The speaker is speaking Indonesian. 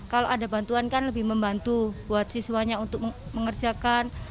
kalau ada bantuan kan lebih membantu buat siswanya untuk mengerjakan